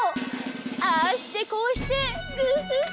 ああしてこうしてグフフ！